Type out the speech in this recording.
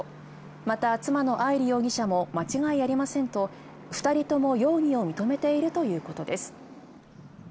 また妻の愛梨容疑者も間違いありませんと、２人とも容疑を認めているということです。